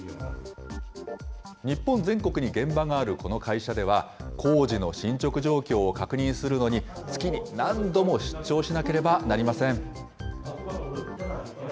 日本全国に現場があるこの会社では、工事の進捗状況を確認するのに、月に何度も出張しなければなりません。